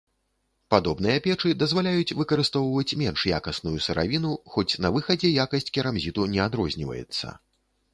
Падобныя печы дазваляюць выкарыстоўваць менш якасную сыравіну, хоць на выхадзе якасць керамзіту не адрозніваецца.